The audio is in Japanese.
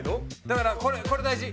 だからこれ大事。